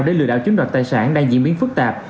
để lừa đảo chiếm đoạt tài sản đang diễn biến phức tạp